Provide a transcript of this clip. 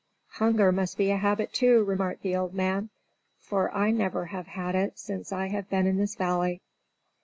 "Hunger must be a habit, too," remarked the old man, "for I never have had it since I have been in this valley.